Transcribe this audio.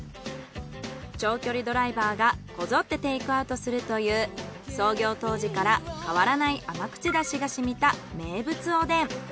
長距離ドライバーがこぞってテイクアウトするという創業当時から変わらない甘口ダシが染みた名物おでん。